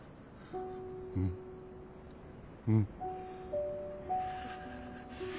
うんうん。